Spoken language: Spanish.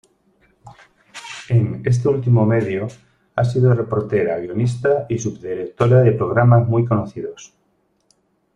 En este último medio ha sido reportera, guionista y subdirectora de programas muy conocidos.